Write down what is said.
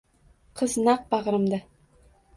Qiz naq bag`rimda